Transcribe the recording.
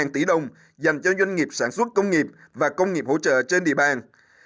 một tỷ đồng dành cho doanh nghiệp sản xuất công nghiệp và công nghiệp hỗ trợ trên địa bàn